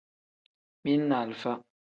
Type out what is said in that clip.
Mili ni alifa.